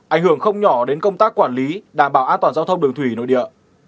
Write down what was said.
ảnh hưởng không nhỏ đến công tác quản lý đảm bảo an toàn giao thông đường thủy nội địa